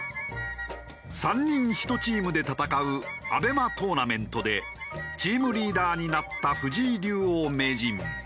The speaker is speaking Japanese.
３人１チームで戦うＡＢＥＭＡトーナメントでチームリーダーになった藤井竜王・名人。